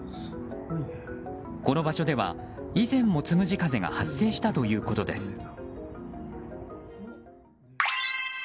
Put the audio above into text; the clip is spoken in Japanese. この場所では以前もつむじ風が発生したということです。